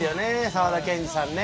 沢田研二さんね。